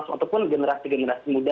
atau pun generasi generasi muda